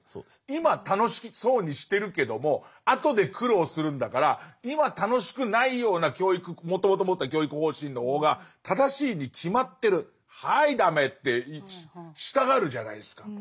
今楽しそうにしてるけども後で苦労するんだから今楽しくないような教育もともと持ってた教育方針の方が正しいに決まってるはい駄目ってしたがるじゃないですか。